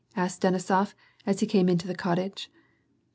" asked Denisof, as he came into the cottage.